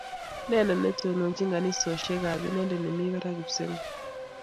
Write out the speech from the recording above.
Neno netonochini kanisoshek ko Inendet ne barak kipsengwet